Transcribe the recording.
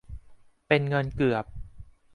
เป็นเงินเกือบ